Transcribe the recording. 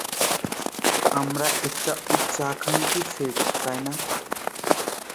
আমরা একটা উচ্চাকাঙ্ক্ষী সেট, তাই না?